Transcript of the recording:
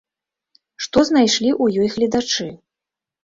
Што знайшлі ў ёй гледачы?